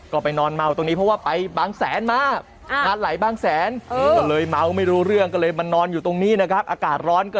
ก็ไปนอนเมาตรงนี้เพราะว่าไปบางแสนมา